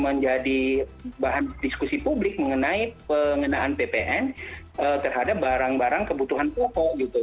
menjadi bahan diskusi publik mengenai pengenaan ppn terhadap barang barang kebutuhan pokok gitu